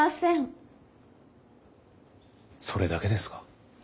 それだけですか？